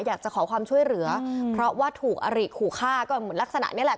อยากจะขอความช่วยเหลือเพราะว่าถูกอริขู่ฆ่าก็เหมือนลักษณะนี้แหละ